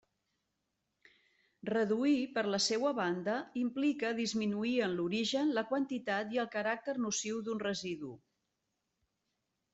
Reduir, per la seua banda, implica disminuir en l'origen la quantitat i el caràcter nociu d'un residu.